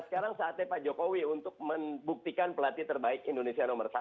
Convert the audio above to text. sekarang saatnya pak jokowi untuk membuktikan pelatih terbaik indonesia nomor satu